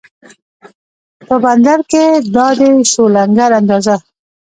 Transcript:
په بندر کې دا دی شو لنګر اندازه